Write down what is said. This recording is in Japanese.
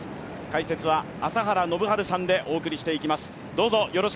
解説は朝原宣治さんでお送りしていきます。